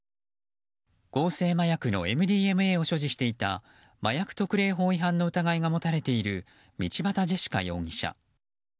合成麻薬のＭＤＭＡを所持していた麻薬特例法違反の疑いが持たれている道端ジェシカ容疑者。